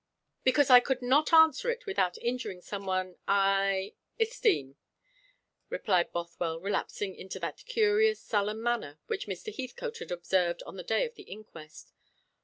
"Because I could not answer it without injuring some one I esteem," replied Bothwell, relapsing into that curious, sullen manner which Mr. Heathcote had observed on the day of the inquest.